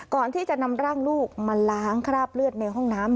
ก่อนที่จะนำร่างลูกมาล้างคราบเลือดในห้องน้ำ